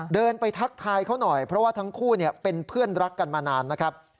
เดินไปทักทายเขาหน่อยเพราะว่าทั้งคู่เป็นเพื่อนรักกันมานานนะครับ